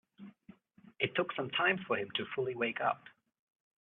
It took some time for him to fully wake up.